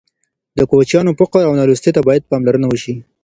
د کوچیانو فقر او نالوستي ته باید پاملرنه وشي.